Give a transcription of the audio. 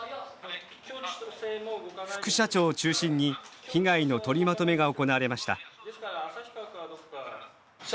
副社長を中心に被害の取りまとめが行われました。